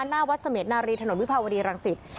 หน้าวัดเสมียนารีถนนวิภาวดีรังสิต